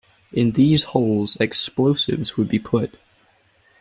In these holes explosives would be put.